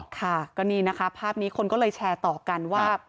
ค่ะก็นี่นะคะภาพนี้คนก็เลยแชร์ต่อกันว่า